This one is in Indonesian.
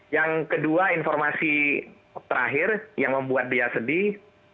yang kedua informasi terakhir yang membuat dia sedih